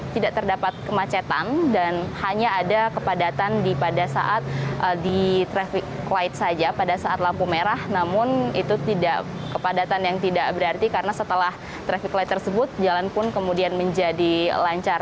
tidak terdapat kemacetan dan hanya ada kepadatan pada saat di traffic light saja pada saat lampu merah namun itu tidak kepadatan yang tidak berarti karena setelah traffic light tersebut jalan pun kemudian menjadi lancar